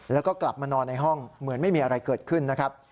แล้วก็กลับมานอนในห้องเหมือนไม่มีอะไรเกิดขึ้นนะครับ